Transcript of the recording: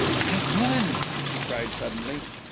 "That woman," she cried suddenly.